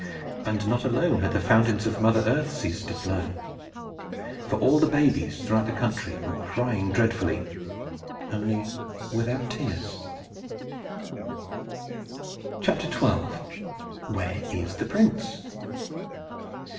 And not alone had the fountains of mother Earth ceased to flow; for all the babies throughout the country were crying dreadfully only without tears. XII. WHERE IS THE PRINCE?